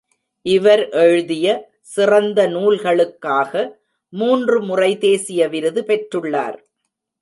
இவர் எழுதிய சிறந்த நூல்களுக்காக மூன்று முறை தேசிய விருது பெற்றுள்ளார்.